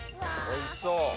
おいしそう。